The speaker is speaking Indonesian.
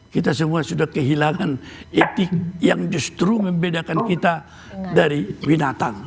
kita semua sudah kehilangan etik yang justru membedakan kita dari binatang